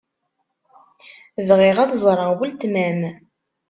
Bɣiɣ ad ẓṛeɣ weltma-m.